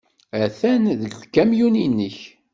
Atan deg ukamyun-nnek.